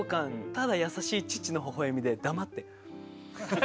ただ優しい父のほほえみで黙って。